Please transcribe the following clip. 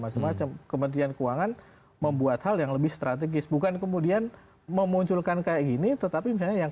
sampai jumpa di video selanjutnya